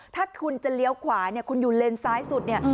ถ้าคุณจะเลี้ยวขวาเนี่ยคุณอยู่เลนซ้ายสุดเนี่ย